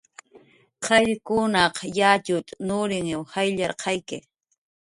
Qayllkunaq yatxut nurinw jayllarqayki